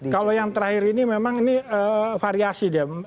kalau yang terakhir ini memang ini variasi dia